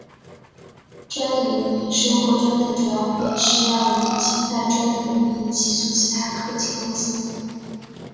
专利流氓收购专利的主要目的是要以侵犯专利的名义起诉其他科技公司。